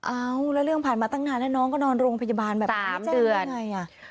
เอ้าแล้วเรื่องผ่านมาตั้งนานแล้วน้องก็นอนโรงพยาบาลแบบ๓เดือนอ่ะ